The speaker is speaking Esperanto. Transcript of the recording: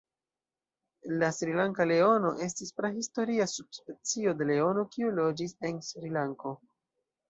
La Srilanka leono estis prahistoria subspecio de leono, kiu loĝis en Srilanko.